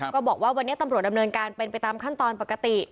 ก็บอกว่าวันนี้ตำรวจดำเนินการเป็นไปตามขั้นตอนปกติ